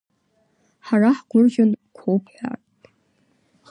Ҳара ҳгәырӷьон қәоуп ҳәа.